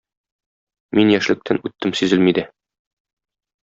Мин яшьлектән үттем сизелми дә...